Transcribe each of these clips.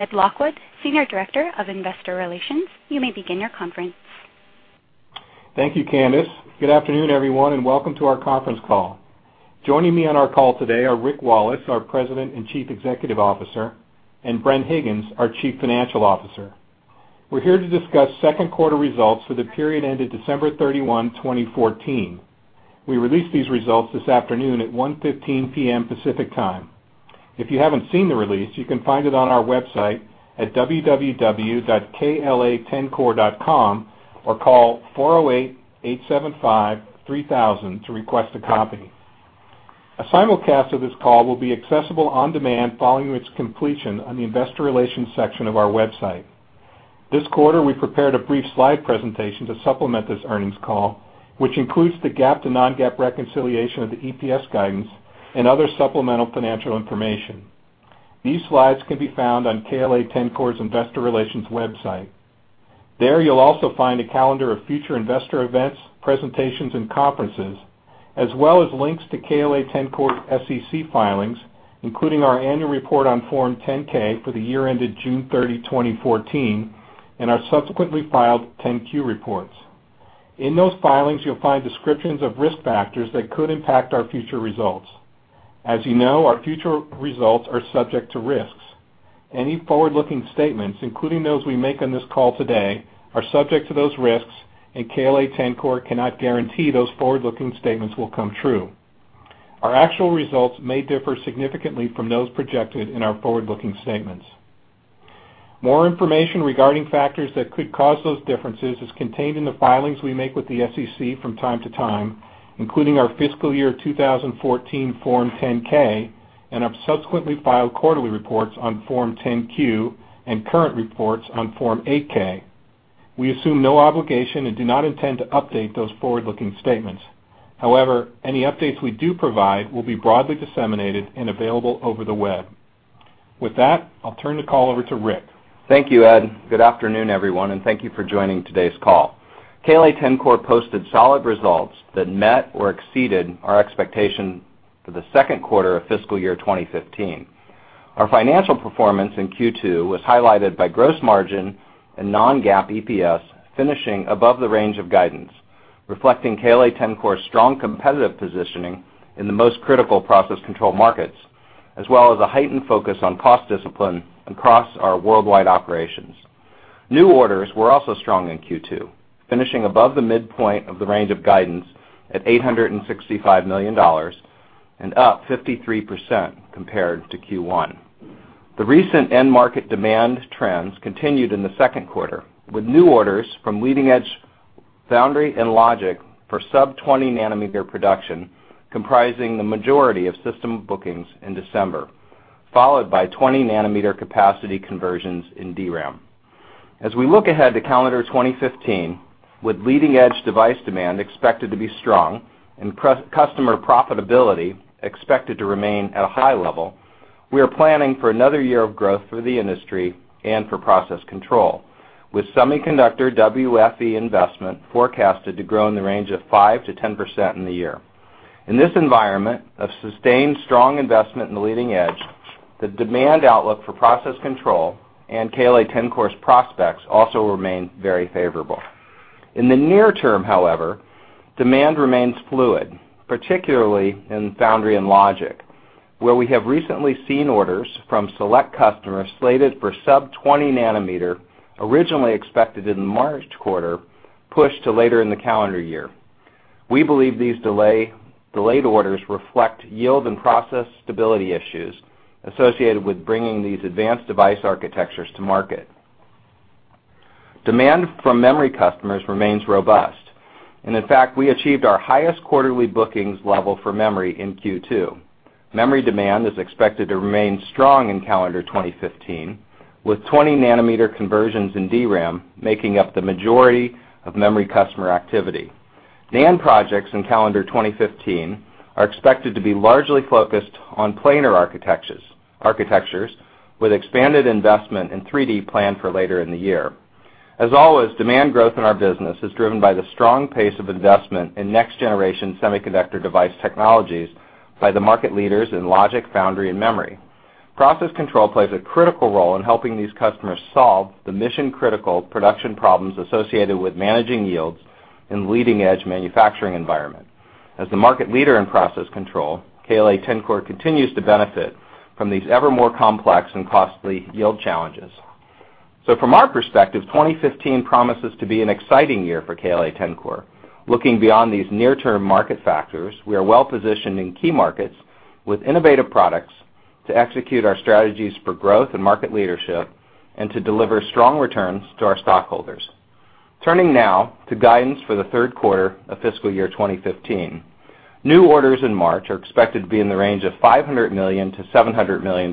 Ed Lockwood, Senior Director of Investor Relations, you may begin your conference. Thank you, Candice. Good afternoon, everyone, and welcome to our conference call. Joining me on our call today are Rick Wallace, our President and Chief Executive Officer, and Bren Higgins, our Chief Financial Officer. We're here to discuss second quarter results for the period ended December 31, 2014. We released these results this afternoon at 1:15 P.M. Pacific Time. If you haven't seen the release, you can find it on our website at www.kla-tencor.com or call 408-875-3000 to request a copy. A simulcast of this call will be accessible on demand following its completion on the investor relations section of our website. This quarter, we prepared a brief slide presentation to supplement this earnings call, which includes the GAAP to non-GAAP reconciliation of the EPS guidance and other supplemental financial information. These slides can be found on KLA-Tencor's investor relations website. There, you'll also find a calendar of future investor events, presentations, and conferences, as well as links to KLA-Tencor SEC filings, including our annual report on Form 10-K for the year ended June 30, 2014, and our subsequently filed 10-Q reports. In those filings, you'll find descriptions of risk factors that could impact our future results. As you know, our future results are subject to risks. Any forward-looking statements, including those we make on this call today, are subject to those risks, and KLA-Tencor cannot guarantee those forward-looking statements will come true. Our actual results may differ significantly from those projected in our forward-looking statements. More information regarding factors that could cause those differences is contained in the filings we make with the SEC from time to time, including our fiscal year 2014 Form 10-K and our subsequently filed quarterly reports on Form 10-Q and current reports on Form 8-K. We assume no obligation and do not intend to update those forward-looking statements. However, any updates we do provide will be broadly disseminated and available over the web. With that, I'll turn the call over to Rick. Thank you, Ed. Good afternoon, everyone, and thank you for joining today's call. KLA-Tencor posted solid results that met or exceeded our expectation for the second quarter of fiscal year 2015. Our financial performance in Q2 was highlighted by gross margin and non-GAAP EPS finishing above the range of guidance, reflecting KLA-Tencor's strong competitive positioning in the most critical process control markets, as well as a heightened focus on cost discipline across our worldwide operations. New orders were also strong in Q2, finishing above the midpoint of the range of guidance at $865 million and up 53% compared to Q1. The recent end-market demand trends continued in the second quarter, with new orders from leading-edge foundry and logic for sub-20 nanometer production comprising the majority of system bookings in December, followed by 20 nanometer capacity conversions in DRAM. As we look ahead to calendar 2015 with leading-edge device demand expected to be strong and customer profitability expected to remain at a high level, we are planning for another year of growth for the industry and for process control, with semiconductor WFE investment forecasted to grow in the range of 5%-10% in the year. In this environment of sustained strong investment in the leading edge, the demand outlook for process control and KLA-Tencor's prospects also remain very favorable. In the near term, however, demand remains fluid, particularly in foundry and logic, where we have recently seen orders from select customers slated for sub-20 nanometer, originally expected in the March quarter, pushed to later in the calendar year. We believe these delayed orders reflect yield and process stability issues associated with bringing these advanced device architectures to market. Demand from memory customers remains robust, and in fact, we achieved our highest quarterly bookings level for memory in Q2. Memory demand is expected to remain strong in calendar 2015, with 20 nanometer conversions in DRAM making up the majority of memory customer activity. NAND projects in calendar 2015 are expected to be largely focused on planar architectures with expanded investment in 3D planned for later in the year. Demand growth in our business is driven by the strong pace of investment in next-generation semiconductor device technologies by the market leaders in logic, foundry, and memory. Process control plays a critical role in helping these customers solve the mission-critical production problems associated with managing yields in leading-edge manufacturing environment. As the market leader in process control, KLA-Tencor continues to benefit from these ever more complex and costly yield challenges. From our perspective, 2015 promises to be an exciting year for KLA-Tencor. Looking beyond these near-term market factors, we are well positioned in key markets with innovative products to execute our strategies for growth and market leadership and to deliver strong returns to our stockholders. Turning now to guidance for the third quarter of fiscal year 2015. New orders in March are expected to be in the range of $500 million-$700 million.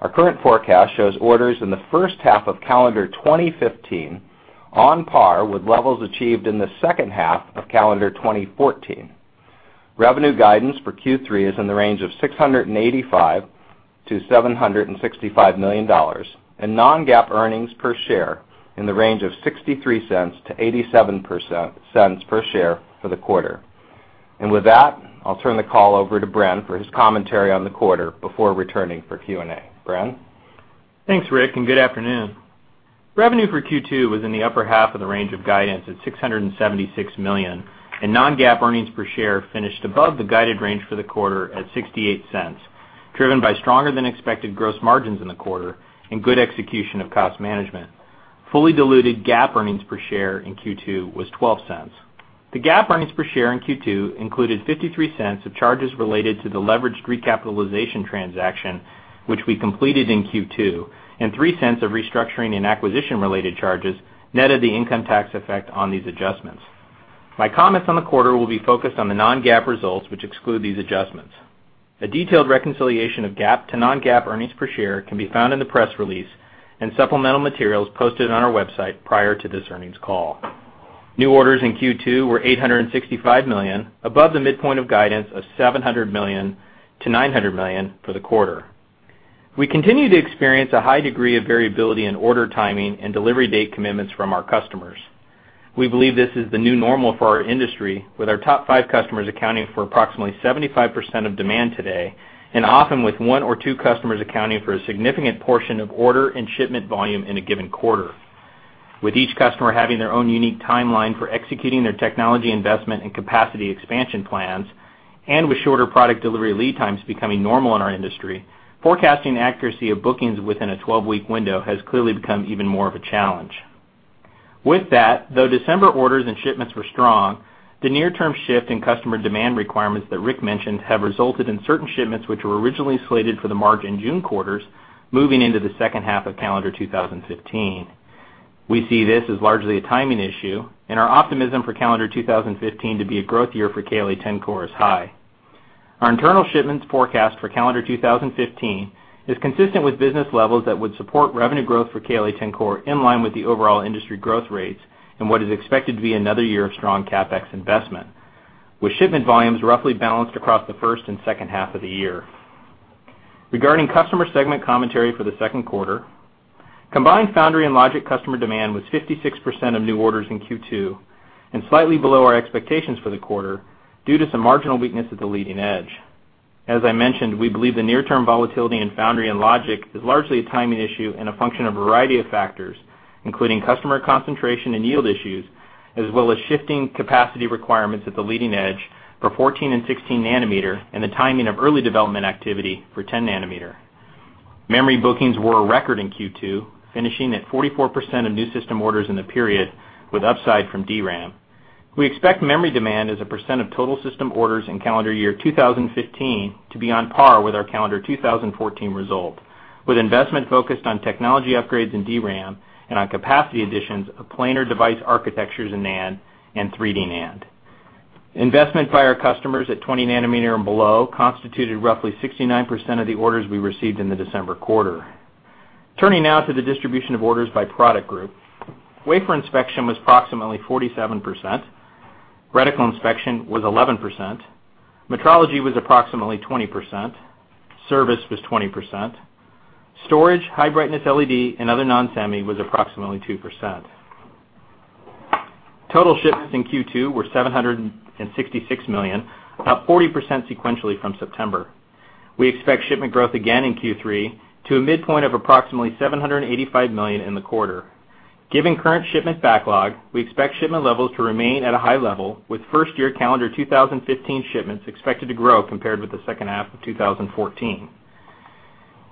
Our current forecast shows orders in the first half of calendar 2015 on par with levels achieved in the second half of calendar 2014. Revenue guidance for Q3 is in the range of $685 million-$765 million and non-GAAP earnings per share in the range of $0.63-$0.87 per share for the quarter. With that, I'll turn the call over to Bren for his commentary on the quarter before returning for Q&A. Bren? Thanks, Rick, good afternoon. Revenue for Q2 was in the upper half of the range of guidance at $676 million, non-GAAP earnings per share finished above the guided range for the quarter at $0.68, driven by stronger than expected gross margins in the quarter and good execution of cost management. Fully diluted GAAP earnings per share in Q2 was $0.12. The GAAP earnings per share in Q2 included $0.53 of charges related to the leveraged recapitalization transaction, which we completed in Q2, and $0.03 of restructuring and acquisition-related charges, net of the income tax effect on these adjustments. My comments on the quarter will be focused on the non-GAAP results, which exclude these adjustments. A detailed reconciliation of GAAP to non-GAAP earnings per share can be found in the press release and supplemental materials posted on our website prior to this earnings call. New orders in Q2 were $865 million, above the midpoint of guidance of $700 million-$900 million for the quarter. We continue to experience a high degree of variability in order timing and delivery date commitments from our customers. We believe this is the new normal for our industry, with our top five customers accounting for approximately 75% of demand today, and often with one or two customers accounting for a significant portion of order and shipment volume in a given quarter. With each customer having their own unique timeline for executing their technology investment and capacity expansion plans, and with shorter product delivery lead times becoming normal in our industry, forecasting accuracy of bookings within a 12-week window has clearly become even more of a challenge. With that, though December orders and shipments were strong, the near-term shift in customer demand requirements that Rick mentioned have resulted in certain shipments which were originally slated for the March and June quarters moving into the second half of calendar 2015. We see this as largely a timing issue, our optimism for calendar 2015 to be a growth year for KLA-Tencor is high. Our internal shipments forecast for calendar 2015 is consistent with business levels that would support revenue growth for KLA-Tencor in line with the overall industry growth rates and what is expected to be another year of strong CapEx investment, with shipment volumes roughly balanced across the first and second half of the year. Regarding customer segment commentary for the second quarter, combined foundry and logic customer demand was 56% of new orders in Q2 and slightly below our expectations for the quarter due to some marginal weakness at the leading edge. As I mentioned, we believe the near-term volatility in foundry and logic is largely a timing issue and a function of a variety of factors, including customer concentration and yield issues, as well as shifting capacity requirements at the leading edge for 14 and 16 nanometer and the timing of early development activity for 10 nanometer. Memory bookings were a record in Q2, finishing at 44% of new system orders in the period, with upside from DRAM. We expect memory demand as a percent of total system orders in calendar year 2015 to be on par with our calendar 2014 result, with investment focused on technology upgrades in DRAM and on capacity additions of planar device architectures in NAND and 3D NAND. Investment by our customers at 20 nanometer and below constituted roughly 69% of the orders we received in the December quarter. Turning now to the distribution of orders by product group. Wafer inspection was approximately 47%, reticle inspection was 11%, metrology was approximately 20%, service was 20%, storage, high brightness LED, and other non-semi was approximately 2%. Total shipments in Q2 were $766 million, up 40% sequentially from September. We expect shipment growth again in Q3 to a midpoint of approximately $785 million in the quarter. Given current shipment backlog, we expect shipment levels to remain at a high level, with first-year calendar 2015 shipments expected to grow compared with the second half of 2014.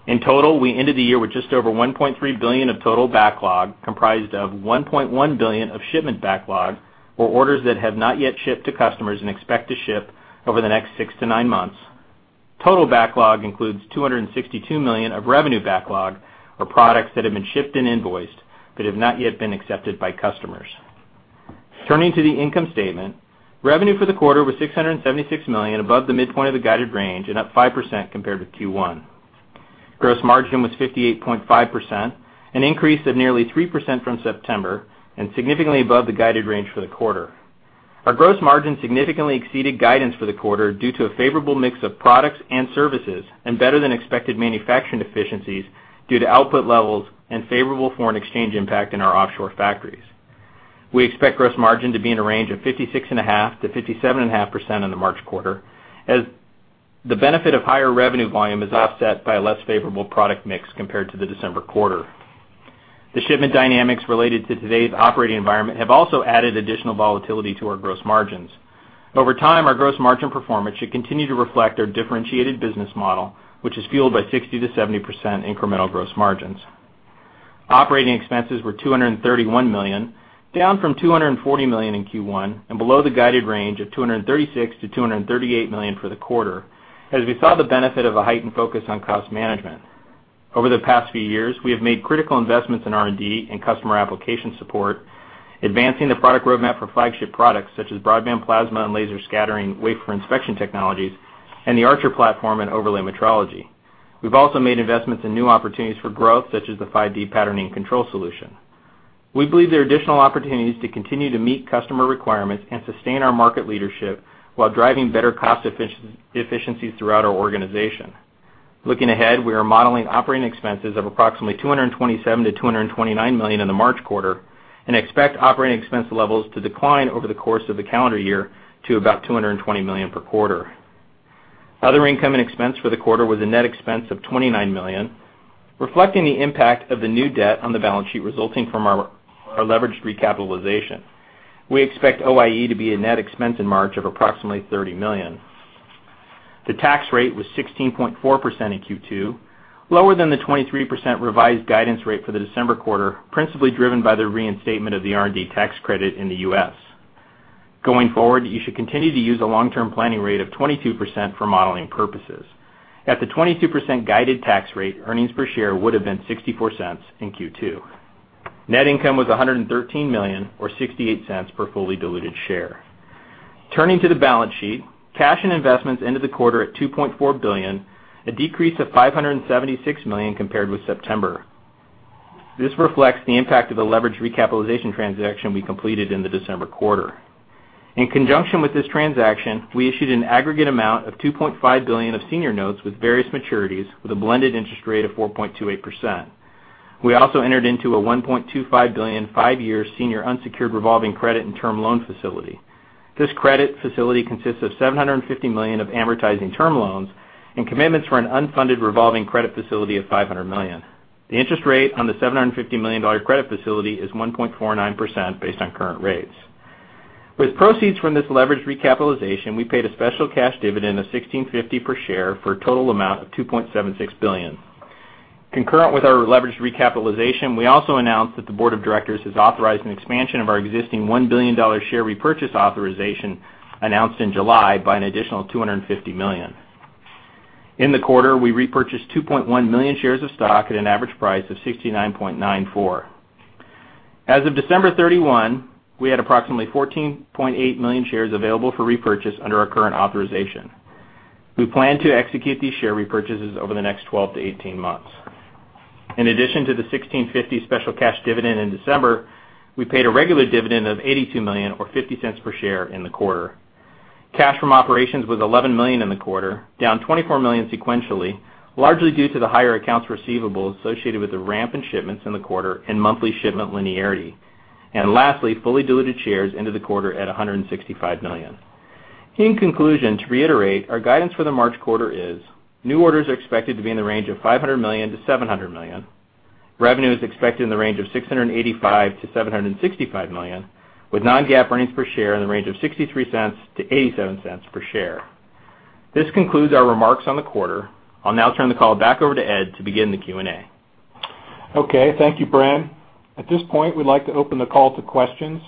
In total, we ended the year with just over $1.3 billion of total backlog, comprised of $1.1 billion of shipment backlog or orders that have not yet shipped to customers and expect to ship over the next six to nine months. Total backlog includes $262 million of revenue backlog or products that have been shipped and invoiced but have not yet been accepted by customers. Turning to the income statement. Revenue for the quarter was $676 million, above the midpoint of the guided range and up 5% compared with Q1. Gross margin was 58.5%, an increase of nearly 3% from September and significantly above the guided range for the quarter. Our gross margin significantly exceeded guidance for the quarter due to a favorable mix of products and services and better than expected manufacturing efficiencies due to output levels and favorable foreign exchange impact in our offshore factories. We expect gross margin to be in a range of 56.5%-57.5% in the March quarter, as the benefit of higher revenue volume is offset by a less favorable product mix compared to the December quarter. The shipment dynamics related to today's operating environment have also added additional volatility to our gross margins. Over time, our gross margin performance should continue to reflect our differentiated business model, which is fueled by 60%-70% incremental gross margins. Operating expenses were $231 million, down from $240 million in Q1 and below the guided range of $236 million-$238 million for the quarter, as we saw the benefit of a heightened focus on cost management. Over the past few years, we have made critical investments in R&D and customer application support, advancing the product roadmap for flagship products such as Broadband Plasma and laser scattering wafer inspection technologies and the Archer platform and overlay metrology. We've also made investments in new opportunities for growth, such as the 5D patterning control solution. We believe there are additional opportunities to continue to meet customer requirements and sustain our market leadership while driving better cost efficiencies throughout our organization. Looking ahead, we are modeling operating expenses of approximately $227 million-$229 million in the March quarter and expect operating expense levels to decline over the course of the calendar year to about $220 million per quarter. Other income and expense for the quarter was a net expense of $29 million, reflecting the impact of the new debt on the balance sheet resulting from our leveraged recapitalization. We expect OIE to be a net expense in March of approximately $30 million. The tax rate was 16.4% in Q2, lower than the 23% revised guidance rate for the December quarter, principally driven by the reinstatement of the R&D tax credit in the U.S. Going forward, you should continue to use a long-term planning rate of 22% for modeling purposes. At the 22% guided tax rate, earnings per share would've been $0.64 in Q2. Net income was $113 million or $0.68 per fully diluted share. Turning to the balance sheet, cash and investments into the quarter at $2.4 billion, a decrease of $576 million compared with September. This reflects the impact of the leveraged recapitalization transaction we completed in the December quarter. In conjunction with this transaction, we issued an aggregate amount of $2.5 billion of senior notes with various maturities with a blended interest rate of 4.28%. We also entered into a $1.25 billion, 5-year senior unsecured revolving credit and term loan facility. This credit facility consists of $750 million of amortizing term loans and commitments for an unfunded revolving credit facility of $500 million. The interest rate on the $750 million credit facility is 1.49% based on current rates. With proceeds from this leveraged recapitalization, we paid a special cash dividend of $16.50 per share for a total amount of $2.76 billion. Concurrent with our leveraged recapitalization, we also announced that the board of directors has authorized an expansion of our existing $1 billion share repurchase authorization announced in July by an additional $250 million. In the quarter, we repurchased 2.1 million shares of stock at an average price of $69.94. As of December 31, we had approximately 14.8 million shares available for repurchase under our current authorization. We plan to execute these share repurchases over the next 12-18 months. In addition to the $16.50 special cash dividend in December, we paid a regular dividend of $82 million or $0.50 per share in the quarter. Cash from operations was $11 million in the quarter, down $24 million sequentially, largely due to the higher accounts receivable associated with the ramp in shipments in the quarter and monthly shipment linearity. Lastly, fully diluted shares into the quarter at 165 million. In conclusion, to reiterate, our guidance for the March quarter is new orders are expected to be in the range of $500 million to $700 million. Revenue is expected in the range of $685 million-$765 million, with non-GAAP earnings per share in the range of $0.63 to $0.87 per share. This concludes our remarks on the quarter. I'll now turn the call back over to Ed to begin the Q&A. Okay, thank you, Bren. At this point, we'd like to open the call to questions.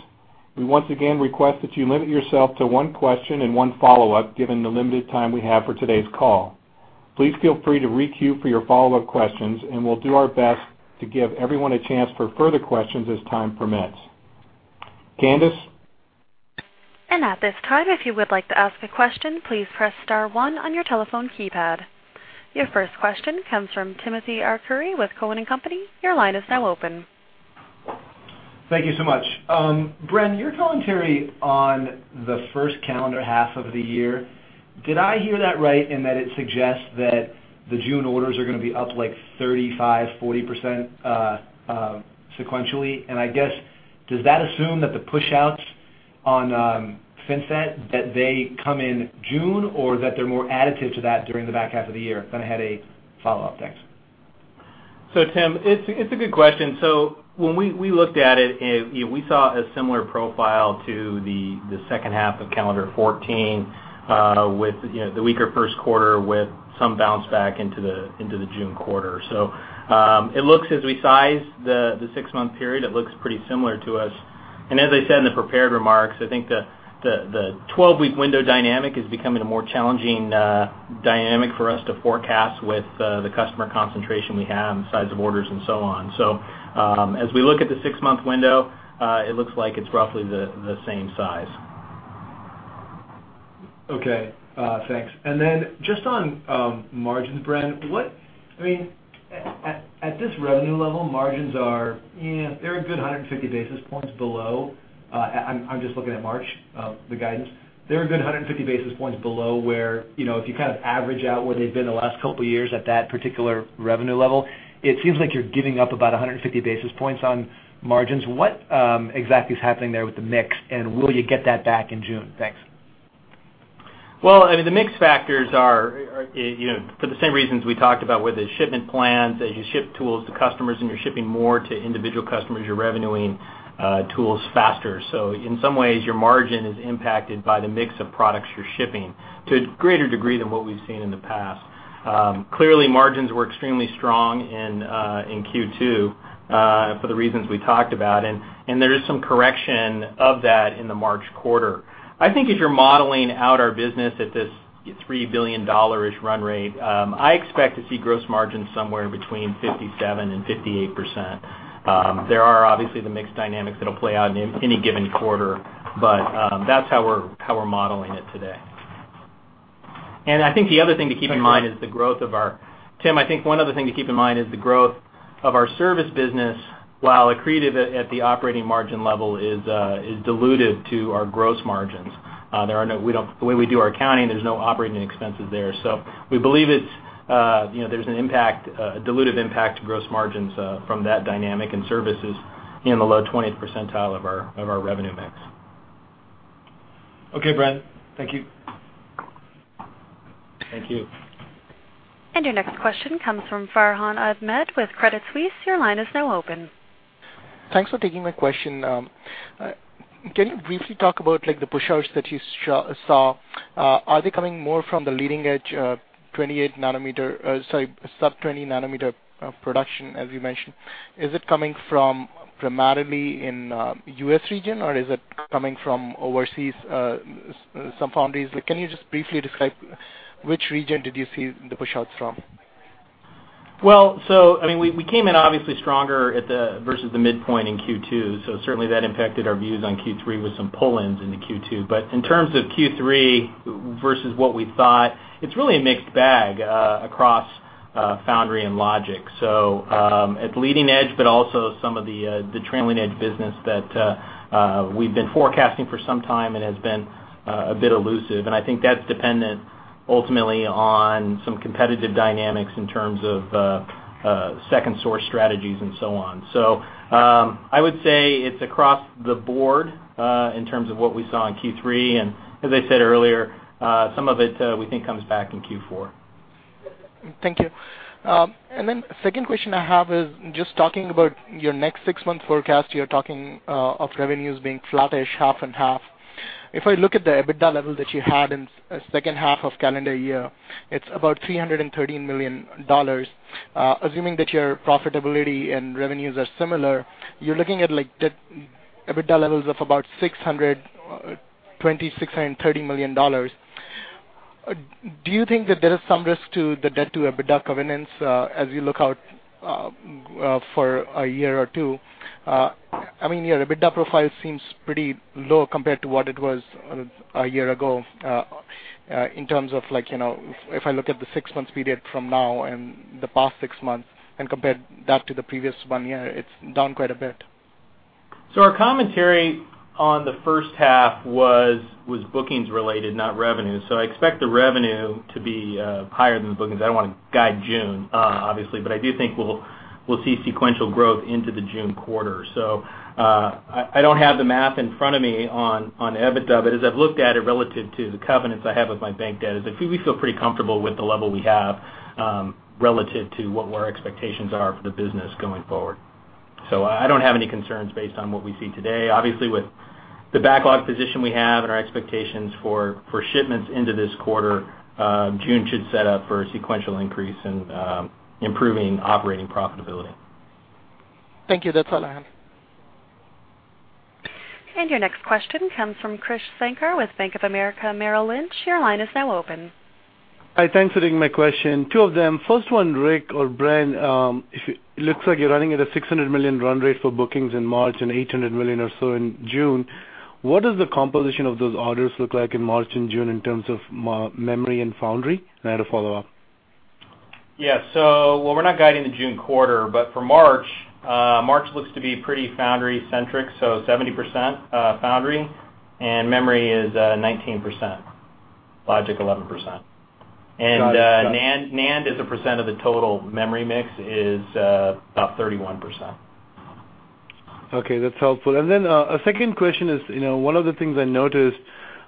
We once again request that you limit yourself to one question and one follow-up, given the limited time we have for today's call. Please feel free to re-queue for your follow-up questions, we'll do our best to give everyone a chance for further questions as time permits. Candice? At this time, if you would like to ask a question, please press star one on your telephone keypad. Your first question comes from Timothy Arcuri with Cowen and Company. Your line is now open. Thank you so much. Bren, your commentary on the first calendar half of the year, did I hear that right in that it suggests that the June orders are gonna be up like 35%-40%, sequentially? I guess, does that assume that the push-outs on FinFET, that they come in June or that they're more additive to that during the back half of the year? I had a follow-up. Thanks. Tim, it's a good question. When we looked at it, we saw a similar profile to the second half of calendar 2014, with the weaker first quarter with some bounce back into the June quarter. As we size the six-month period, it looks pretty similar to us. As I said in the prepared remarks, I think the 12-week window dynamic is becoming a more challenging dynamic for us to forecast with the customer concentration we have and the size of orders and so on. As we look at the six-month window, it looks like it's roughly the same size. Okay, thanks. Then just on margins, Bren, at this revenue level, margins are, they're a good 150 basis points below. I'm just looking at March, the guidance. They're a good 150 basis points below where, if you average out where they've been the last couple of years at that particular revenue level, it seems like you're giving up about 150 basis points on margins. What exactly is happening there with the mix, and will you get that back in June? Thanks. Well, I mean, the mix factors are for the same reasons we talked about with the shipment plans. As you ship tools to customers and you're shipping more to individual customers, you're revenue-ing tools faster. In some ways, your margin is impacted by the mix of products you're shipping to a greater degree than what we've seen in the past. Clearly, margins were extremely strong in Q2 for the reasons we talked about, and there is some correction of that in the March quarter. I think as you're modeling out our business at this $3 billion-ish run rate, I expect to see gross margins somewhere between 57% and 58%. There are obviously the mix dynamics that'll play out in any given quarter, but that's how we're modeling it today. Tim, I think one other thing to keep in mind is the growth of our service business, while accretive at the operating margin level is dilutive to our gross margins. The way we do our accounting, there's no operating expenses there. We believe there's an impact, a dilutive impact to gross margins, from that dynamic and services in the low 20th percentile of our revenue mix. Okay, Bren. Thank you. Thank you. Your next question comes from Farhan Ahmad with Credit Suisse. Your line is now open. Thanks for taking my question. Can you briefly talk about the push outs that you saw? Are they coming more from the leading edge sub-20 nanometer production, as you mentioned? Is it coming from primarily in U.S. region or is it coming from overseas, some foundries? Can you just briefly describe which region did you see the push outs from? We came in obviously stronger versus the midpoint in Q2. Certainly that impacted our views on Q3 with some pull-ins into Q2. In terms of Q3 versus what we thought, it's really a mixed bag across foundry and logic. At leading edge, but also some of the trailing edge business that we've been forecasting for some time and has been a bit elusive. I think that's dependent ultimately on some competitive dynamics in terms of second source strategies and so on. I would say it's across the board, in terms of what we saw in Q3. As I said earlier, some of it we think comes back in Q4. Thank you. Second question I have is just talking about your next six-month forecast. You're talking of revenues being flattish half and half. If I look at the EBITDA level that you had in second half of calendar year, it's about $313 million. Assuming that your profitability and revenues are similar, you're looking at like EBITDA levels of about $600, $2,630 million. Do you think that there is some risk to the debt to EBITDA covenants as you look out for a year or two? Your EBITDA profile seems pretty low compared to what it was a year ago, in terms of if I look at the six months period from now and the past six months and compare that to the previous one year, it's down quite a bit. Our commentary on the first half was bookings related, not revenue. I expect the revenue to be higher than the bookings. I don't want to guide June, obviously, but I do think we'll see sequential growth into the June quarter. I don't have the math in front of me on EBITDA, but as I've looked at it relative to the covenants I have with my bank debt is that we feel pretty comfortable with the level we have, relative to what our expectations are for the business going forward. I don't have any concerns based on what we see today. Obviously, with the backlog position we have and our expectations for shipments into this quarter, June should set up for a sequential increase in improving operating profitability. Thank you. That's all I have. Your next question comes from Krish Sankar with Bank of America Merrill Lynch. Your line is now open. Hi. Thanks for taking my question. Two of them. First one, Rick or Bren, it looks like you're running at a $600 million run rate for bookings in March and $800 million or so in June. What does the composition of those orders look like in March and June in terms of memory and foundry? I had a follow-up. Yeah. Well, we're not guiding the June quarter, but for March looks to be pretty foundry centric. 70% foundry and memory is 19%, logic 11%. Got it. NAND as a percent of the total memory mix is about 31%. Okay, that's helpful. Then, second question is, one of the things I noticed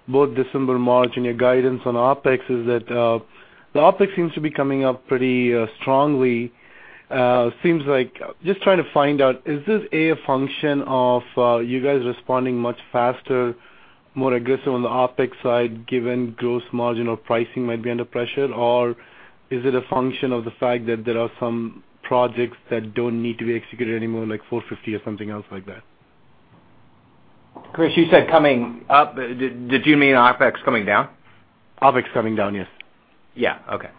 both December, March, and your guidance on OpEx is that the OpEx seems to be coming up pretty strongly. Just trying to find out, is this, A, a function of you guys responding much faster, more aggressive on the OpEx side given gross margin or pricing might be under pressure? Or is it a function of the fact that there are some projects that don't need to be executed anymore, like 450mm or something else like that? Krish, you said coming up, did you mean OpEx coming down? OpEx coming down, yes. Krish,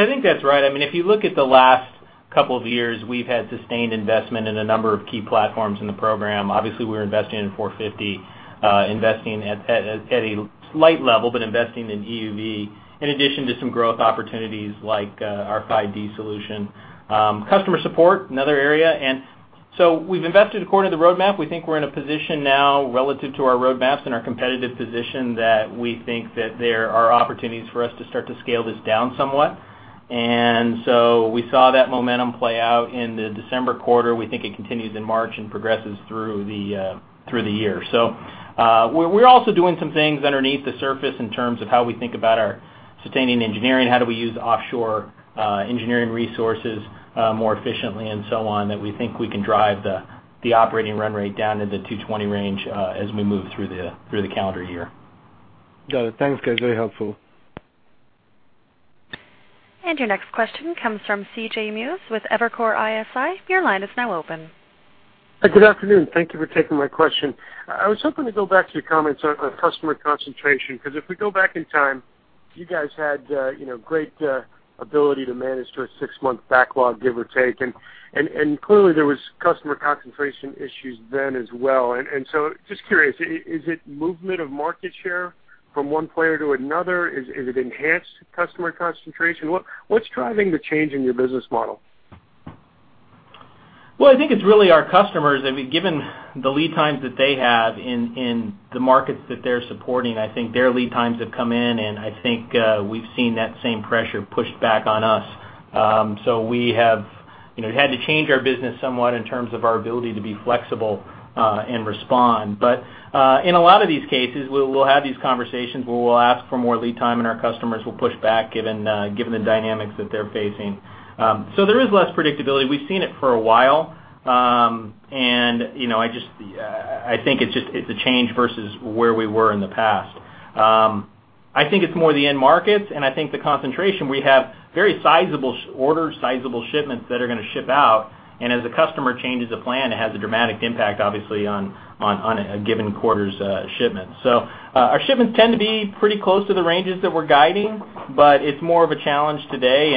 I think that's right. If you look at the last couple of years, we've had sustained investment in a number of key platforms in the program. Obviously, we're investing in 450mm, investing at a slight level, but investing in EUV in addition to some growth opportunities like our 5D solution. Customer support, another area. We've invested according to the roadmap. We think we're in a position now relative to our roadmaps and our competitive position that we think that there are opportunities for us to start to scale this down somewhat. We saw that momentum play out in the December quarter. We think it continues in March and progresses through the year. We're also doing some things underneath the surface in terms of how we think about our sustaining engineering, how do we use offshore engineering resources more efficiently and so on, that we think we can drive the operating run rate down into $220 range as we move through the calendar year. Got it. Thanks, guys. Very helpful. Your next question comes from C.J. Muse with Evercore ISI. Your line is now open. Good afternoon. Thank you for taking my question. I was hoping to go back to your comments on customer concentration, because if we go back in time, you guys had great ability to manage through a 6-month backlog, give or take. Clearly there was customer concentration issues then as well. Just curious, is it movement of market share from one player to another? Is it enhanced customer concentration? What's driving the change in your business model? Well, I think it's really our customers. Given the lead times that they have in the markets that they're supporting, I think their lead times have come in. I think we've seen that same pressure pushed back on us. We have had to change our business somewhat in terms of our ability to be flexible and respond. In a lot of these cases, we'll have these conversations where we'll ask for more lead time. Our customers will push back given the dynamics that they're facing. There is less predictability. We've seen it for a while, and I think it's a change versus where we were in the past. I think it's more the end markets. I think the concentration, we have very sizable orders, sizable shipments that are going to ship out. As a customer changes a plan, it has a dramatic impact, obviously, on a given quarter's shipment. Our shipments tend to be pretty close to the ranges that we're guiding. It's more of a challenge today.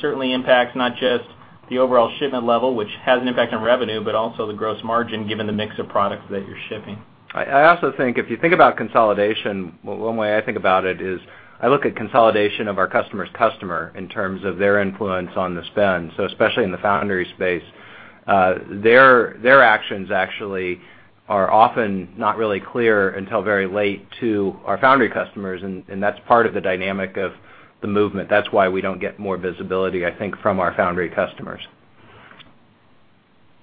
Certainly impacts not just the overall shipment level, which has an impact on revenue, but also the gross margin given the mix of products that you're shipping. I also think if you think about consolidation, well, one way I think about it is I look at consolidation of our customer's customer in terms of their influence on the spend. Especially in the foundry space, their actions actually are often not really clear until very late to our foundry customers. That's part of the dynamic of the movement. That's why we don't get more visibility, I think, from our foundry customers.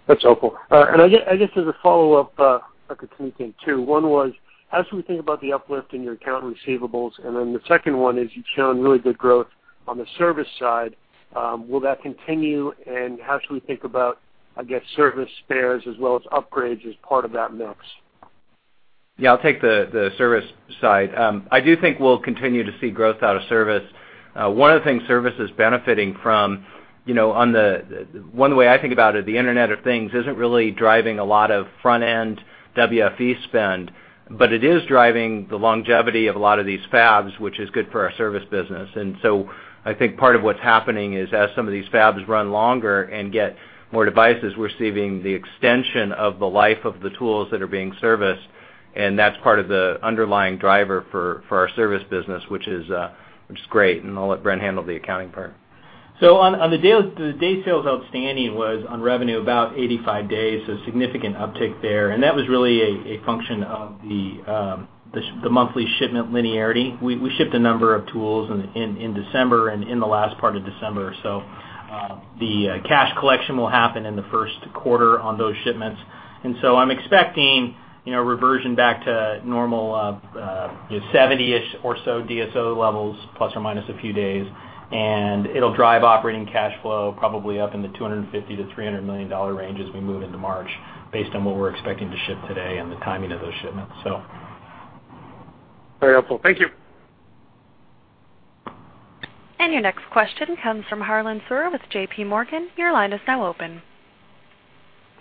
That's helpful. I guess as a follow-up, if I could sneak in two. One was, how should we think about the uplift in your accounts receivable? The second one is, you've shown really good growth on the service side. Will that continue? How should we think about, I guess, service spares as well as upgrades as part of that mix? Yeah, I'll take the service side. I do think we'll continue to see growth out of service. One of the things service is benefiting from, one way I think about it, the Internet of Things isn't really driving a lot of front-end WFE spend, but it is driving the longevity of a lot of these fabs, which is good for our service business. I think part of what's happening is as some of these fabs run longer and get more devices, we're seeing the extension of the life of the tools that are being serviced, and that's part of the underlying driver for our service business, which is great, I'll let Bren handle the accounting part. On the day sales outstanding was on revenue about 85 days, so significant uptick there. That was really a function of the monthly shipment linearity. We shipped a number of tools in December and in the last part of December. The cash collection will happen in the first quarter on those shipments. I'm expecting reversion back to normal of 70-ish or so DSO levels, plus or minus a few days, and it'll drive operating cash flow probably up in the $250 million-$300 million range as we move into March based on what we're expecting to ship today and the timing of those shipments. Very helpful. Thank you. Your next question comes from Harlan Sur with J.P. Morgan. Your line is now open.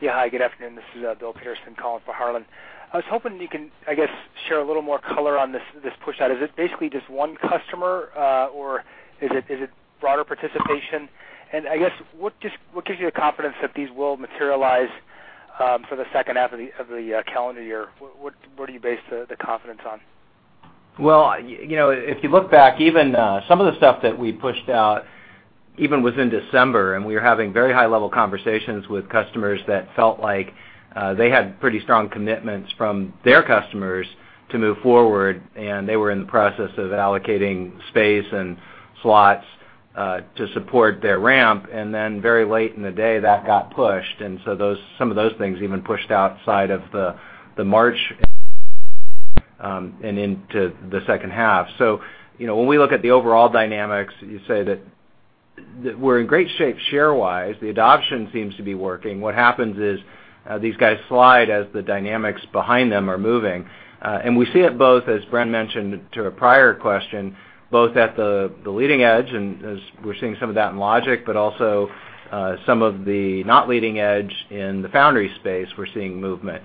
Yeah, hi. Good afternoon. This is Bill Peterson calling for Harlan. I was hoping you can, I guess, share a little more color on this push-out. Is it basically just one customer, or is it broader participation? I guess, what gives you the confidence that these will materialize for the second half of the calendar year? What do you base the confidence on? Well, if you look back, even some of the stuff that we pushed out even was in December, we were having very high-level conversations with customers that felt like they had pretty strong commitments from their customers to move forward, they were in the process of allocating space and slots to support their ramp, then very late in the day, that got pushed. Some of those things even pushed outside of the March and into the second half. When we look at the overall dynamics, you say that we're in great shape share-wise. The adoption seems to be working. What happens is these guys slide as the dynamics behind them are moving. We see it both, as Bren mentioned to a prior question, both at the leading edge, as we're seeing some of that in logic, but also some of the not leading edge in the foundry space, we're seeing movement.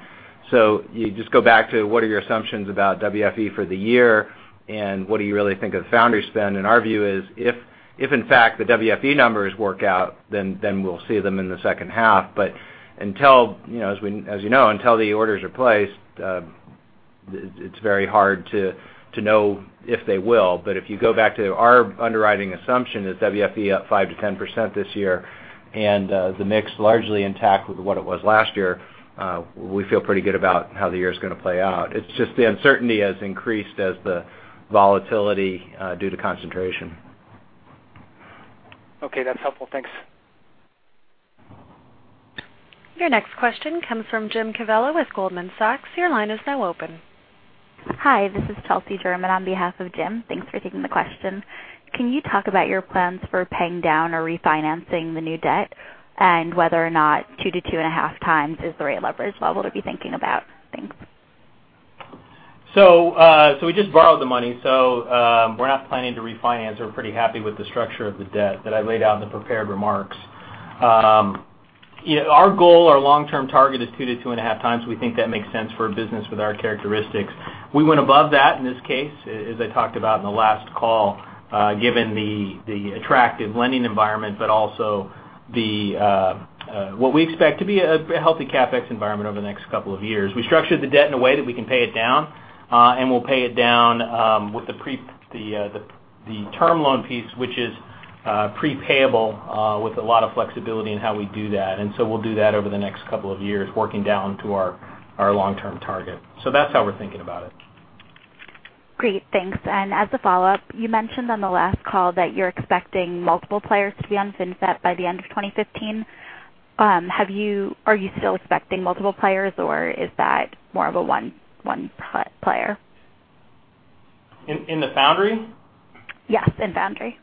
You just go back to what are your assumptions about WFE for the year, what do you really think of foundry spend? Our view is, if in fact the WFE numbers work out, we'll see them in the second half. As you know, until the orders are placed, it's very hard to know if they will. If you go back to our underwriting assumption that WFE up 5%-10% this year and the mix largely intact with what it was last year, we feel pretty good about how the year is going to play out. It's just the uncertainty has increased as the volatility due to concentration. Okay. That's helpful. Thanks. Your next question comes from Jim Covello with Goldman Sachs. Your line is now open. Hi, this is Chelsea German on behalf of Jim. Thanks for taking the question. Can you talk about your plans for paying down or refinancing the new debt, and whether or not 2 to 2.5 times is the right leverage level to be thinking about? Thanks. We just borrowed the money, so we're not planning to refinance. We're pretty happy with the structure of the debt that I laid out in the prepared remarks. Our goal, our long-term target is 2 to 2.5 times. We think that makes sense for a business with our characteristics. We went above that in this case, as I talked about in the last call, given the attractive lending environment, also what we expect to be a healthy CapEx environment over the next couple of years. We structured the debt in a way that we can pay it down, and we'll pay it down with the term loan piece, which is Prepayable with a lot of flexibility in how we do that. We'll do that over the next couple of years, working down to our long-term target. That's how we're thinking about it. Great, thanks. As a follow-up, you mentioned on the last call that you're expecting multiple players to be on FinFET by the end of 2015. Are you still expecting multiple players, or is that more of a one player? In the foundry? Yes, in foundry.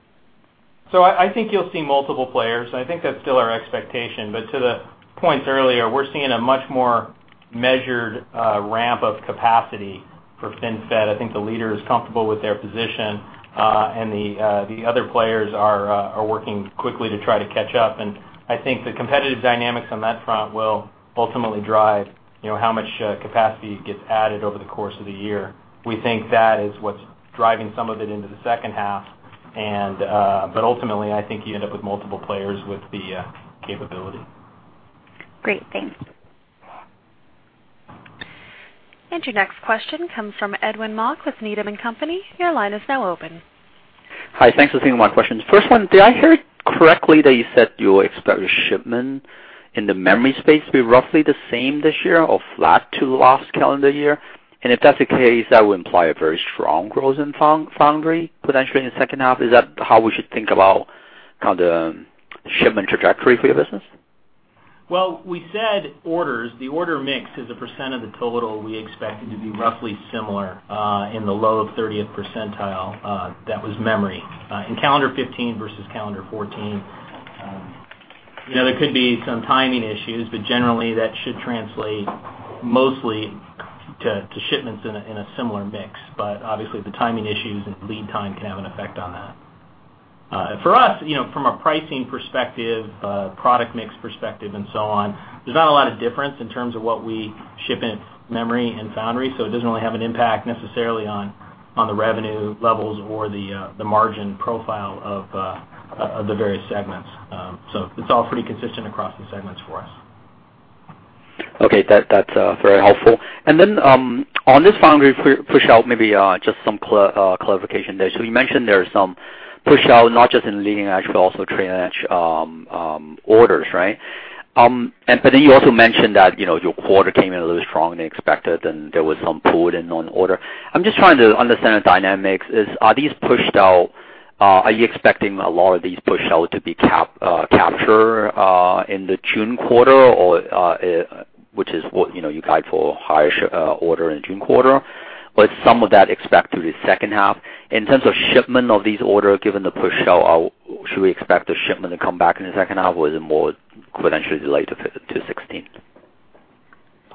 I think you'll see multiple players. I think that's still our expectation. To the points earlier, we're seeing a much more measured ramp of capacity for FinFET. I think the leader is comfortable with their position, the other players are working quickly to try to catch up. I think the competitive dynamics on that front will ultimately drive how much capacity gets added over the course of the year. We think that is what's driving some of it into the second half. Ultimately, I think you end up with multiple players with the capability. Great, thanks. Your next question comes from Edwin Mok with Needham & Company. Your line is now open. Hi, thanks for taking my questions. First one, did I hear it correctly that you said you expect your shipment in the memory space to be roughly the same this year or flat to last calendar year? If that's the case, that would imply a very strong growth in foundry potentially in the second half. Is that how we should think about the shipment trajectory for your business? Well, we said orders. The order mix as a % of the total, we expect it to be roughly similar, in the low 30th percentile. That was memory in calendar 2015 versus calendar 2014. There could be some timing issues, but generally, that should translate mostly to shipments in a similar mix. Obviously, the timing issues and lead time can have an effect on that. For us, from a pricing perspective, product mix perspective, and so on, there's not a lot of difference in terms of what we ship in memory and foundry, so it doesn't really have an impact necessarily on the revenue levels or the margin profile of the various segments. It's all pretty consistent across the segments for us. Okay. That's very helpful. On this foundry pushout, maybe just some clarification there. You mentioned there is some pushout, not just in leading edge, but also trailing edge orders, right? You also mentioned that your quarter came in a little stronger than expected, and there was some pull in on order. I'm just trying to understand the dynamics is, are these pushed out, are you expecting a lot of these pushout to be captured in the June quarter, which is what you guide for higher order in June quarter? Some of that expect through the second half. In terms of shipment of these orders, given the pushout, should we expect the shipment to come back in the second half, or is it more potentially delayed to 2016?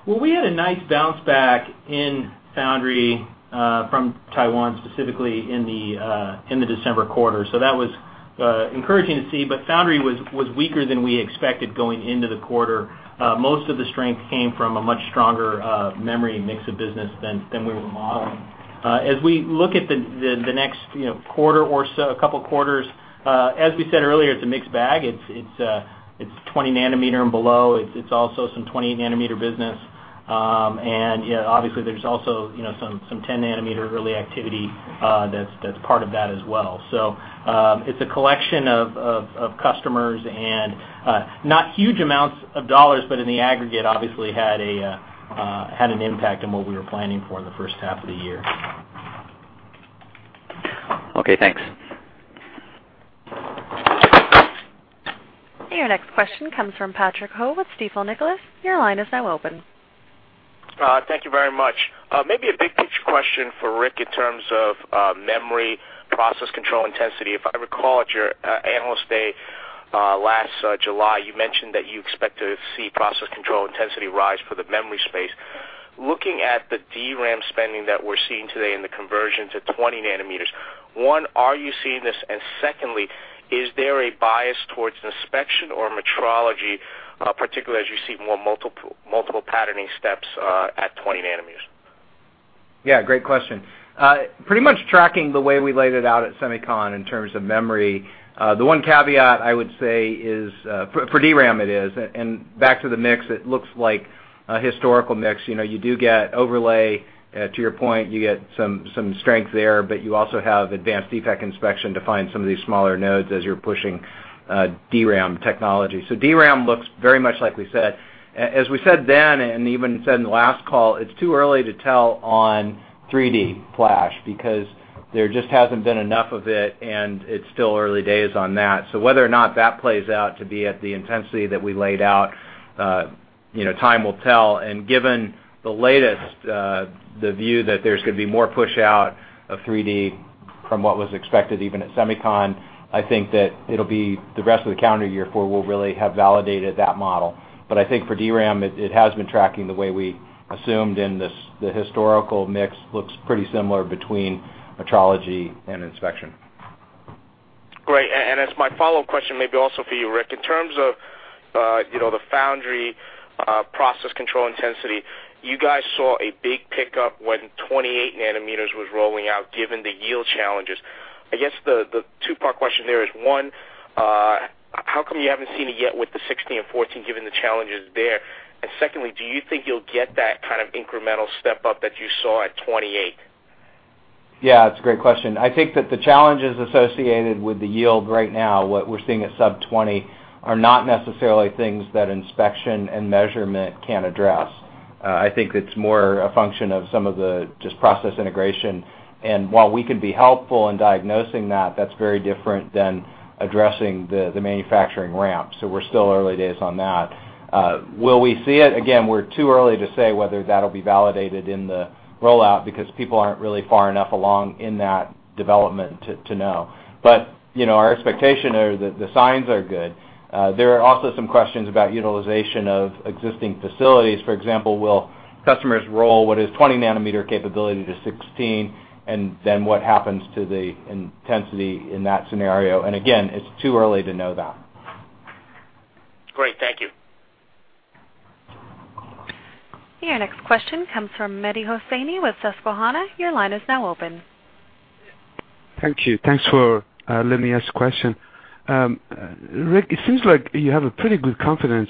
Well, we had a nice bounce back in foundry from Taiwan, specifically in the December quarter. That was encouraging to see, but foundry was weaker than we expected going into the quarter. Most of the strength came from a much stronger memory mix of business than we were modeling. As we look at the next quarter or so, a couple of quarters, as we said earlier, it's a mixed bag. It's 20 nanometer and below. It's also some 28 nanometer business. Obviously, there's also some 10 nanometer early activity that's part of that as well. It's a collection of customers and not huge amounts of dollars, but in the aggregate, obviously had an impact on what we were planning for in the first half of the year. Okay, thanks. Your next question comes from Patrick Ho with Stifel, Nicolaus. Your line is now open. Thank you very much. Maybe a big picture question for Rick in terms of memory process control intensity. If I recall, at your analyst day last July, you mentioned that you expect to see process control intensity rise for the memory space. Looking at the DRAM spending that we're seeing today and the conversion to 20 nanometers, one, are you seeing this? Secondly, is there a bias towards inspection or metrology, particularly as you see more multi-patterning steps at 20 nanometers? Yeah, great question. Pretty much tracking the way we laid it out at SEMICON in terms of memory. The one caveat I would say is, for DRAM it is, and back to the mix, it looks like a historical mix. You do get overlay. To your point, you get some strength there, but you also have advanced defect inspection to find some of these smaller nodes as you're pushing DRAM technology. DRAM looks very much like we said. As we said then, and even said in the last call, it's too early to tell on 3D Flash because there just hasn't been enough of it, and it's still early days on that. Whether or not that plays out to be at the intensity that we laid out, time will tell. Given the latest, the view that there's going to be more push out of 3D from what was expected even at SEMICON, I think that it'll be the rest of the calendar year, for we'll really have validated that model. I think for DRAM, it has been tracking the way we assumed, and the historical mix looks pretty similar between metrology and inspection. Great. As my follow-up question, maybe also for you, Rick, in terms of the foundry process control intensity, you guys saw a big pickup when 28 nanometers was rolling out, given the yield challenges. I guess the two-part question there is, one- How come you haven't seen it yet with the 16 and 14, given the challenges there? Secondly, do you think you'll get that kind of incremental step up that you saw at 28? Yeah, it's a great question. I think that the challenges associated with the yield right now, what we're seeing at sub-20, are not necessarily things that inspection and measurement can address. I think it's more a function of some of the process integration. While we can be helpful in diagnosing that's very different than addressing the manufacturing ramp. We're still early days on that. Will we see it? Again, we're too early to say whether that'll be validated in the rollout because people aren't really far enough along in that development to know. Our expectation are that the signs are good. There are also some questions about utilization of existing facilities. For example, will customers roll what is 20 nanometer capability to 16? Then what happens to the intensity in that scenario? Again, it's too early to know that. Great. Thank you. Your next question comes from Mehdi Hosseini with Susquehanna. Your line is now open. Thank you. Thanks for letting me ask a question. Rick, it seems like you have a pretty good confidence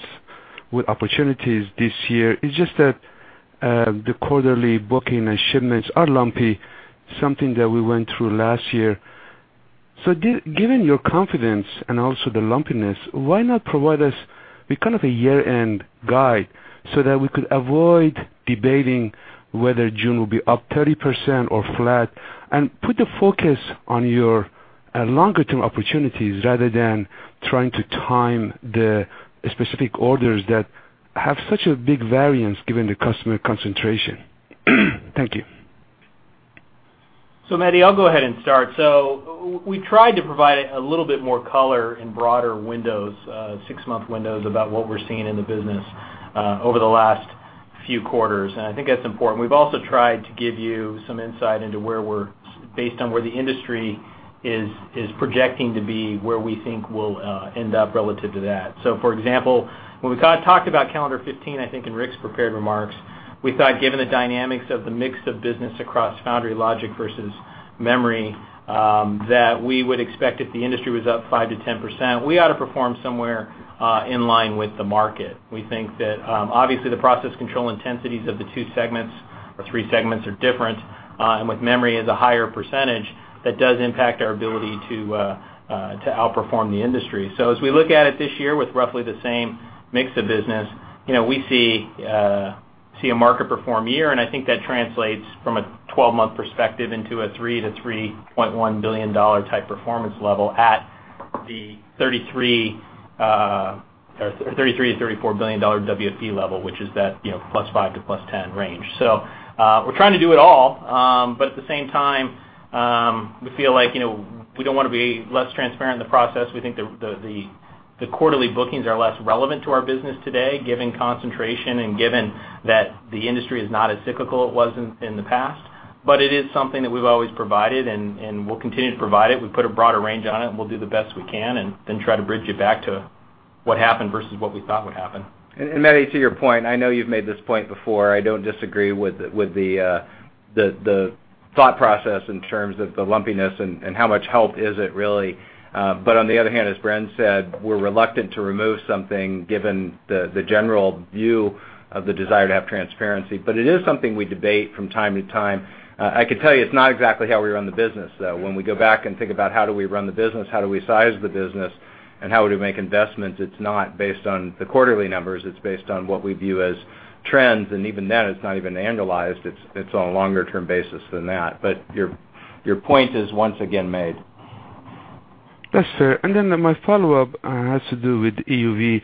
with opportunities this year. It's just that the quarterly booking and shipments are lumpy, something that we went through last year. Given your confidence and also the lumpiness, why not provide us with kind of a year-end guide so that we could avoid debating whether June will be up 30% or flat, and put the focus on your longer-term opportunities rather than trying to time the specific orders that have such a big variance given the customer concentration. Thank you. Mehdi, I'll go ahead and start. We tried to provide a little bit more color and broader windows, 6-month windows, about what we're seeing in the business over the last few quarters, and I think that's important. We've also tried to give you some insight based on where the industry is projecting to be, where we think we'll end up relative to that. For example, when we talked about calendar 2015, I think in Rick's prepared remarks, we thought given the dynamics of the mix of business across foundry logic versus memory, that we would expect if the industry was up 5%-10%, we ought to perform somewhere in line with the market. We think that obviously the process control intensities of the 2 segments or 3 segments are different. With memory as a higher percentage, that does impact our ability to outperform the industry. As we look at it this year with roughly the same mix of business, we see a market perform year, and I think that translates from a 12-month perspective into a $3 billion-$3.1 billion type performance level at the $33 billion-$34 billion WFE level, which is that +5 to +10 range. We're trying to do it all, but at the same time, we feel like we don't want to be less transparent in the process. We think the quarterly bookings are less relevant to our business today, given concentration and given that the industry is not as cyclical as it was in the past. It is something that we've always provided, and we'll continue to provide it. We put a broader range on it, we'll do the best we can then try to bridge it back to what happened versus what we thought would happen. Mehdi, to your point, I know you've made this point before. I don't disagree with the thought process in terms of the lumpiness how much help is it, really. On the other hand, as Bren said, we're reluctant to remove something given the general view of the desire to have transparency. It is something we debate from time to time. I can tell you it's not exactly how we run the business, though. When we go back think about how do we run the business, how do we size the business, how do we make investments, it's not based on the quarterly numbers. It's based on what we view as trends, even then, it's not even annualized. It's on a longer-term basis than that. Your point is once again made. Yes, sir. Then my follow-up has to do with EUV.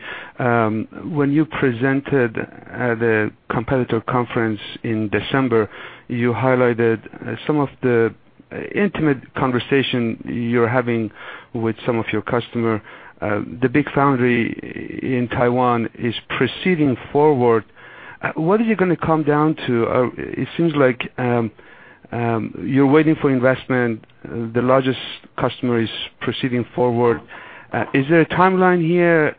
When you presented at the competitor conference in December, you highlighted some of the intimate conversation you're having with some of your customer. The big foundry in Taiwan is proceeding forward. What is it going to come down to? It seems like you're waiting for investment. The largest customer is proceeding forward. Is there a timeline here,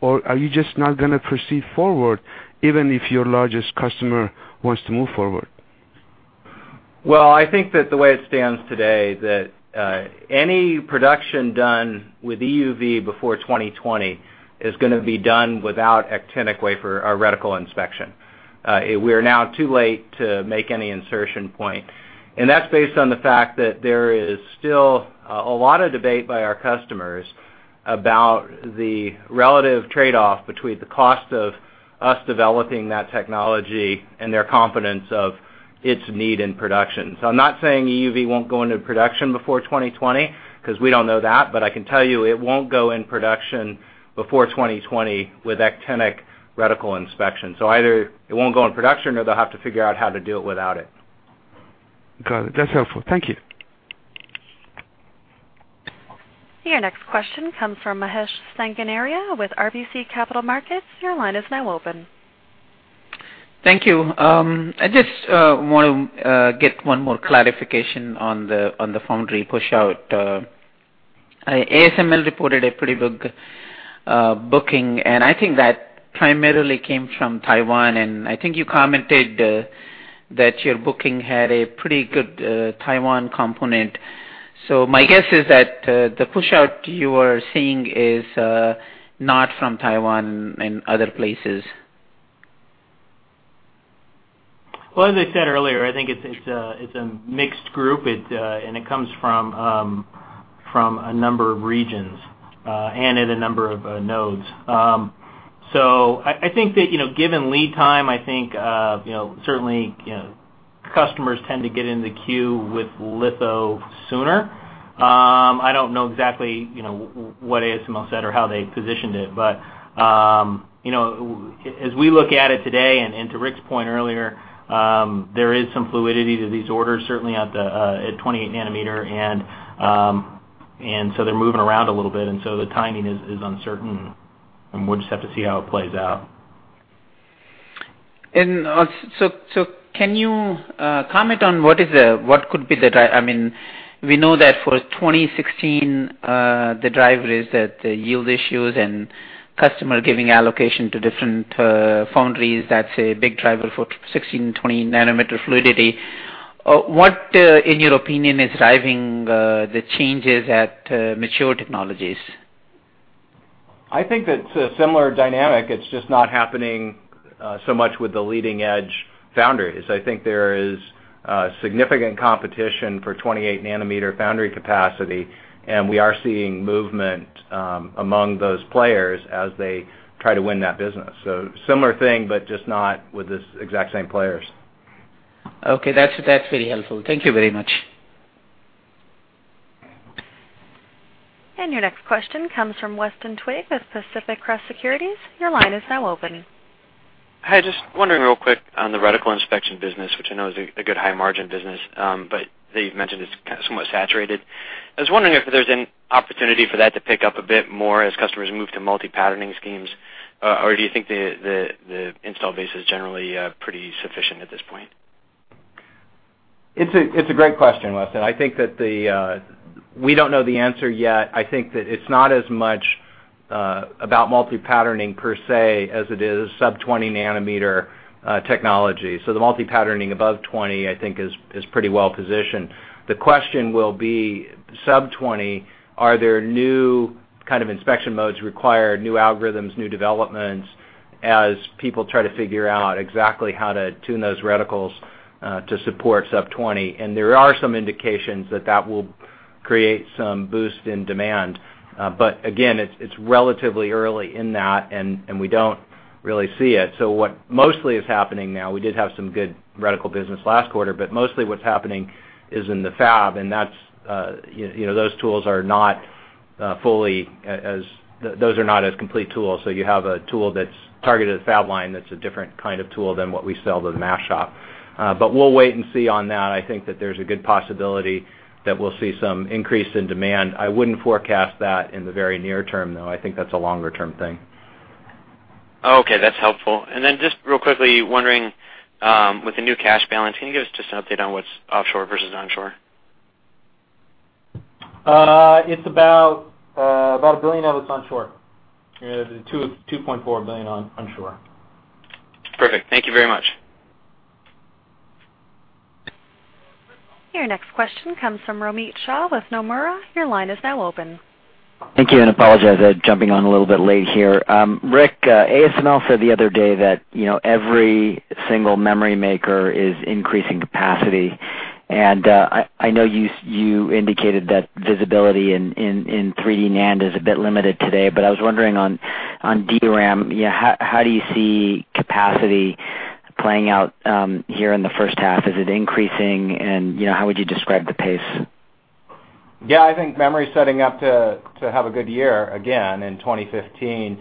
or are you just not going to proceed forward even if your largest customer wants to move forward? I think that the way it stands today, that any production done with EUV before 2020 is going to be done without actinic wafer or reticle inspection. We are now too late to make any insertion point, that's based on the fact that there is still a lot of debate by our customers about the relative trade-off between the cost of us developing that technology their confidence of its need in production. I'm not saying EUV won't go into production before 2020, because we don't know that, I can tell you it won't go in production before 2020 with actinic reticle inspection. Either it won't go in production, or they'll have to figure out how to do it without it. Got it. That's helpful. Thank you. Your next question comes from Mahesh Sanganeria with RBC Capital Markets. Your line is now open. Thank you. I just want to get one more clarification on the foundry pushout. ASML reported a pretty big booking, and I think that primarily came from Taiwan, and I think you commented that your booking had a pretty good Taiwan component. My guess is that the push-out you are seeing is not from Taiwan and other places. Well, as I said earlier, I think it's a mixed group, and it comes from a number of regions, and at a number of nodes. I think that, given lead time, I think certainly, customers tend to get in the queue with litho sooner. I don't know exactly what ASML said or how they positioned it, but as we look at it today, and to Rick's point earlier, there is some fluidity to these orders, certainly at 28 nanometer, and so they're moving around a little bit, and so the timing is uncertain, and we'll just have to see how it plays out. Can you comment on what could be the We know that for 2016, the driver is that the yield issues and customer giving allocation to different foundries, that's a big driver for 16 and 20 nanometer fluidity. What, in your opinion, is driving the changes at mature technologies? I think that it's a similar dynamic. It's just not happening so much with the leading-edge foundries. I think there is significant competition for 28 nanometer foundry capacity, and we are seeing movement among those players as they try to win that business. Similar thing, but just not with the exact same players. Okay. That's very helpful. Thank you very much. Your next question comes from Weston Twigg with Pacific Crest Securities. Your line is now open. Hi, just wondering real quick on the reticle inspection business, which I know is a good high-margin business, but that you've mentioned it's kind of somewhat saturated. I was wondering if there's an opportunity for that to pick up a bit more as customers move to multi-patterning schemes, or do you think the install base is generally pretty sufficient at this point? It's a great question, Weston. I think that we don't know the answer yet. I think that it's not as much about multi-patterning per se as it is sub 20 nanometer technology. The multi-patterning above 20, I think, is pretty well positioned. The question will be sub 20, are there new kind of inspection modes required, new algorithms, new developments, as people try to figure out exactly how to tune those reticles to support sub 20. There are some indications that that will create some boost in demand. Again, it's relatively early in that, and we don't really see it. What mostly is happening now, we did have some good reticle business last quarter, but mostly what's happening is in the fab, and those are not as complete tools. You have a tool that's targeted at fab line that's a different kind of tool than what we sell to the mask shop. We'll wait and see on that. I think that there's a good possibility that we'll see some increase in demand. I wouldn't forecast that in the very near term, though. I think that's a longer-term thing. Okay, that's helpful. Just real quickly, wondering with the new cash balance, can you give us just an update on what's offshore versus onshore? About a billion of it's onshore. $2.4 billion onshore. Perfect. Thank you very much. Your next question comes from Romit Shah with Nomura. Your line is now open. Thank you. Apologize, jumping on a little bit late here. Rick, ASML said the other day that every single memory maker is increasing capacity, and I know you indicated that visibility in 3D NAND is a bit limited today, but I was wondering on DRAM, how do you see capacity playing out here in the first half? Is it increasing, and how would you describe the pace? Yeah, I think memory's setting up to have a good year again in 2015.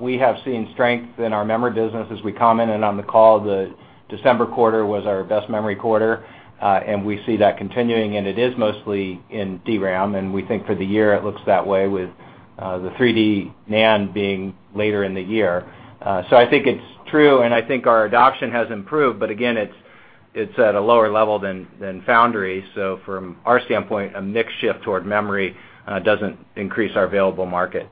We have seen strength in our memory business. As we commented on the call, the December quarter was our best memory quarter, and we see that continuing, and it is mostly in DRAM, and we think for the year it looks that way with the 3D NAND being later in the year. I think it's true, and I think our adoption has improved, but again, it's at a lower level than foundry. From our standpoint, a mix shift toward memory doesn't increase our available market.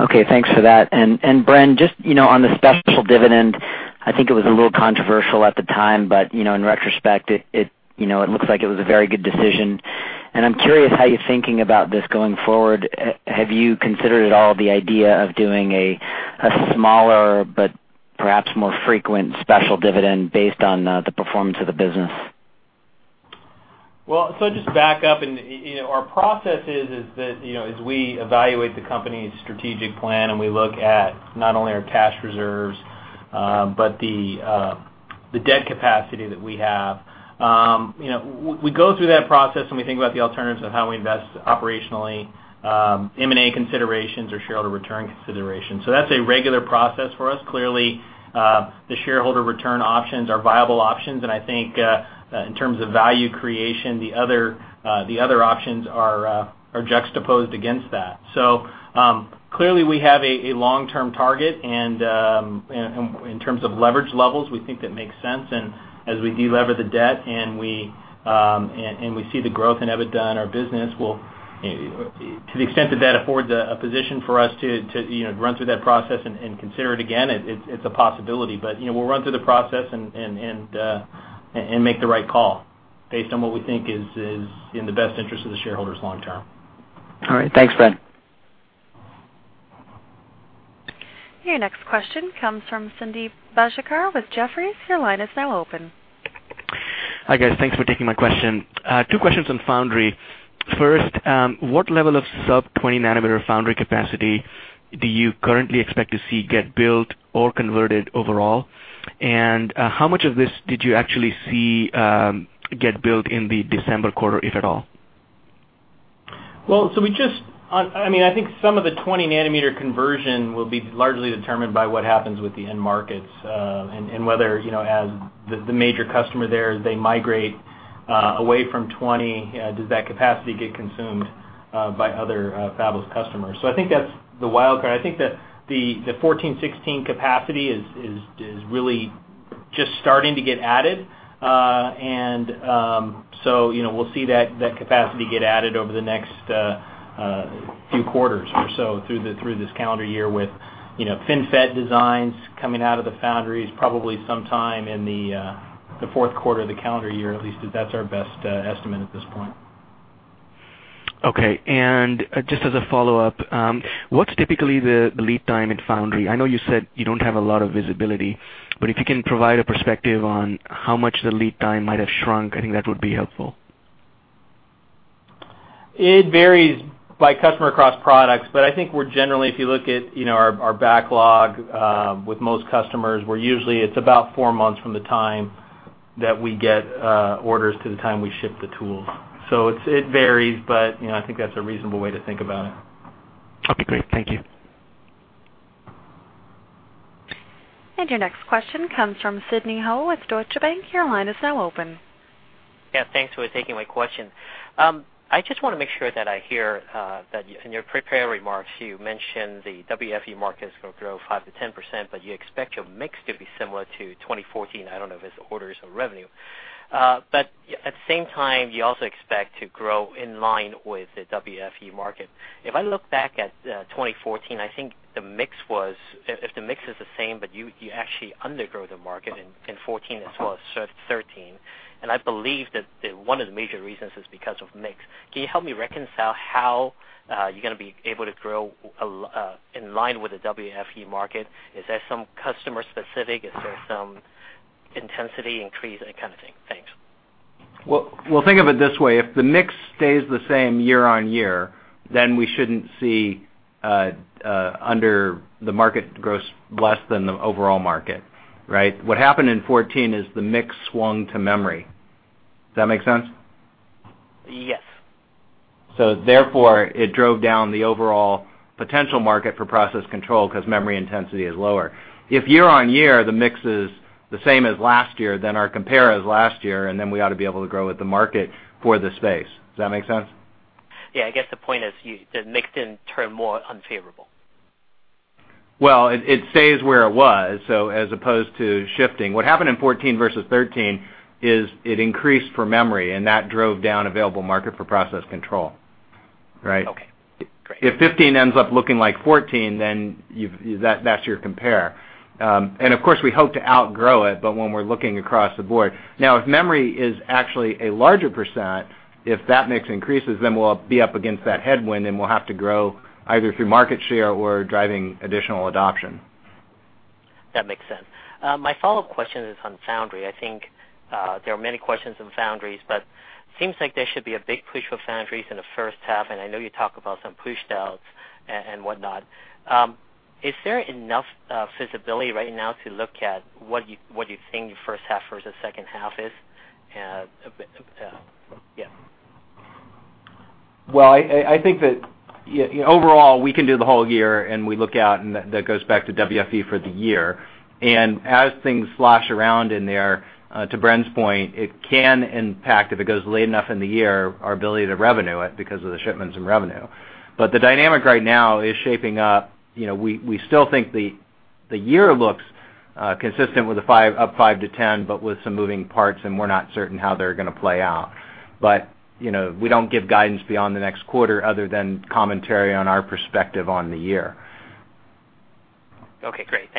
Okay, thanks for that. Bren, just on the special dividend, I think it was a little controversial at the time, but in retrospect, it looks like it was a very good decision. I'm curious how you're thinking about this going forward. Have you considered at all the idea of doing a smaller but perhaps more frequent special dividend based on the performance of the business? Well, just to back up, our process is that as we evaluate the company's strategic plan, and we look at not only our cash reserves, but the debt capacity that we have. We go through that process, and we think about the alternatives of how we invest operationally, M&A considerations, or shareholder return considerations. That's a regular process for us. Clearly, the shareholder return options are viable options, and I think, in terms of value creation, the other options are juxtaposed against that. Clearly we have a long-term target, and in terms of leverage levels, we think that makes sense. As we delever the debt, and we see the growth in EBITDA in our business, to the extent that affords a position for us to run through that process and consider it again, it's a possibility. We'll run through the process and make the right call based on what we think is in the best interest of the shareholders long term. All right. Thanks, Bren. Your next question comes from Sundeep Bajikar with Jefferies. Your line is now open. Hi, guys. Thanks for taking my question. Two questions on foundry. First, what level of sub-20 nanometer foundry capacity do you currently expect to see get built or converted overall? How much of this did you actually see get built in the December quarter, if at all? I think some of the 20 nanometer conversion will be largely determined by what happens with the end markets, and whether as the major customer there, as they migrate away from 20, does that capacity get consumed by other fabless customers? I think that's the wild card. I think that the 14, 16 capacity is really just starting to get added. We'll see that capacity get added over the next few quarters or so through this calendar year with FinFET designs coming out of the foundries probably sometime in the fourth quarter of the calendar year at least. That's our best estimate at this point. Okay. Just as a follow-up, what's typically the lead time in foundry? I know you said you don't have a lot of visibility, but if you can provide a perspective on how much the lead time might have shrunk, I think that would be helpful. It varies by customer across products, but I think we're generally, if you look at our backlog, with most customers, we're usually, it's about four months from the time that we get orders to the time we ship the tools. It varies, but I think that's a reasonable way to think about it. Okay, great. Thank you. Your next question comes from Sidney Ho with Deutsche Bank. Your line is now open. Yeah, thanks for taking my question. I just want to make sure that I hear, that in your prepared remarks, you mentioned the WFE market is going to grow 5%-10%, but you expect your mix to be similar to 2014. I don't know if it's orders or revenue. At the same time, you also expect to grow in line with the WFE market. If I look back at 2014, I think if the mix is the same, but you actually undergrow the market in 2014 as well as 2013, and I believe that one of the major reasons is because of mix. Can you help me reconcile how you're going to be able to grow in line with the WFE market? Is that some customer specific? Is there some intensity increase, that kind of thing? Thanks. Well, think of it this way. If the mix stays the same year on year, then we shouldn't see under the market gross less than the overall market. Right? What happened in 2014 is the mix swung to memory. Does that make sense? Yes. Therefore, it drove down the overall potential market for process control because memory intensity is lower. If year on year, the mix is the same as last year, then our compare is last year, and then we ought to be able to grow with the market for the space. Does that make sense? Yeah, I guess the point is the mix didn't turn more unfavorable. Well, it stays where it was, as opposed to shifting. What happened in 2014 versus 2013 is it increased for memory, and that drove down available market for process control. Right? Okay. Great. If 2015 ends up looking like 2014, that's your compare. Of course, we hope to outgrow it, but when we're looking across the board. Now, if memory is actually a larger %, if that mix increases, then we'll be up against that headwind, and we'll have to grow either through market share or driving additional adoption. That makes sense. My follow-up question is on foundry. I think, there are many questions on foundries, but seems like there should be a big push for foundries in the first half, and I know you talk about some push downs and whatnot. Is there enough visibility right now to look at what you think the first half versus second half is? Yeah. I think that overall, we can do the whole year, and we look out, and that goes back to WFE for the year. As things slosh around in there, to Bren's point, it can impact, if it goes late enough in the year, our ability to revenue it because of the shipments and revenue. The dynamic right now is shaping up. We still think the year looks consistent with up 5 to 10, but with some moving parts, and we're not certain how they're going to play out. We don't give guidance beyond the next quarter other than commentary on our perspective on the year. Okay, great. Thanks.